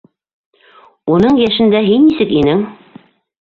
Уның йәшендә һин нисек инең?